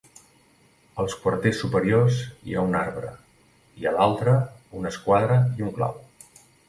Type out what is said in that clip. Als quarters superiors hi ha un arbre i, a l'altre, una esquadra i un clau.